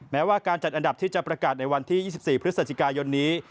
แม้ว่าการจัดอันดับที่จะประกาศในวันที่๒๔พฤศจิกายนนี้